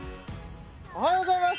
おはようございます